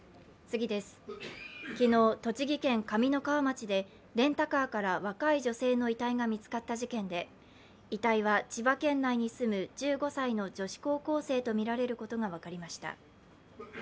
昨日、栃木県上三川町でレンタカーから若い女性の遺体が見つかった事件で遺体は千葉県内に住む１５歳の女子高校生とみられることが分かりました。